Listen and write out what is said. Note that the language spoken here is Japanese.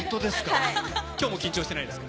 今日も緊張していないですか？